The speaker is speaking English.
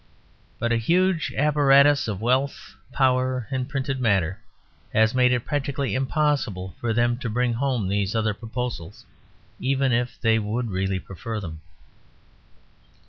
But a huge apparatus of wealth, power, and printed matter has made it practically impossible for them to bring home these other proposals, even if they would really prefer them.